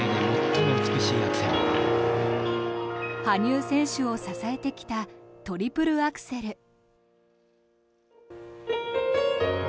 羽生選手を支えてきたトリプルアクセル。